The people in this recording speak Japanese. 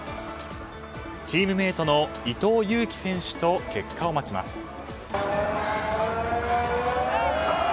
チームメートの伊藤有希選手と結果を待ちます。